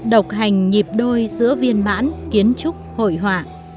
đọc hành nhịp đôi giữa viên mãn kiến trúc hội họa